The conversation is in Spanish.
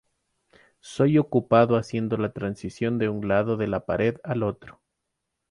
Soy ocupado haciendo la transición de un lado de la pared al otro.